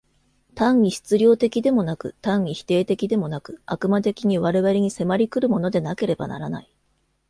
単に質料的でもなく、単に否定的でもなく、悪魔的に我々に迫り来るものでなければならない。